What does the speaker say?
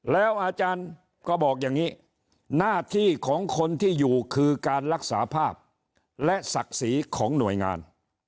แล้วอาจารย์ก็บอกอย่างนี้หน้าที่ของคนที่อยู่คือการรักษาภาพและศักดิ์ศรีของหน่วยงาน